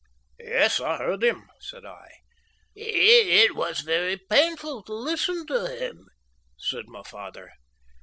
"Yes, I heard him," said I. "It was very painful to listen to him," said my father.